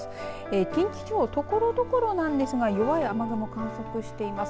近畿地方ところどころなんですが弱い雨雲、観測しています。